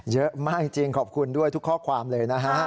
เยอะมากจริงขอบคุณด้วยทุกข้อความเลยนะฮะ